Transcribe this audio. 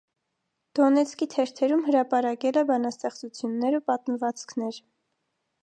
Դոնեցկի թերթերում հրապարակել է բանաստեղծություններ ու պատմվածքներ։